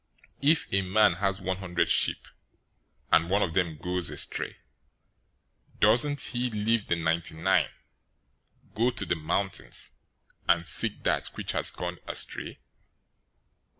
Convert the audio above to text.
If a man has one hundred sheep, and one of them goes astray, doesn't he leave the ninety nine, go to the mountains, and seek that which has gone astray?